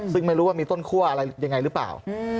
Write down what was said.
ซึ่งไม่รู้ว่ามีต้นคั่วอะไรยังไงหรือเปล่า